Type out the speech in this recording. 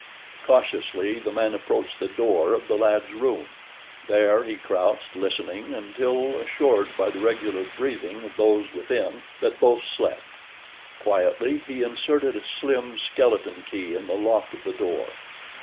Cautiously the man approached the door of the lad's room. There he crouched listening until assured by the regular breathing of those within that both slept. Quietly he inserted a slim, skeleton key in the lock of the door.